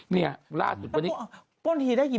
นี่ล่าสุดที่วันนี้